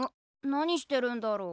何してるんだろう。